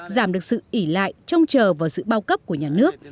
giảm được sự ỉ lại trông chờ vào sự bao cấp của nhà nước